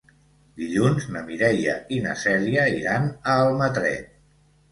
Dilluns na Mireia i na Cèlia iran a Almatret.